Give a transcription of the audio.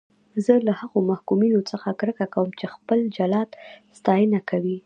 زه له هغو محکومینو څخه کرکه کوم چې خپل جلاد ستاینه کوي.